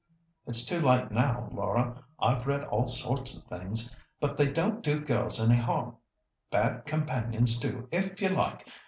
"It's too late now, Laura. I've read all sorts of things, but they don't do girls any harm. Bad companions do, if you like.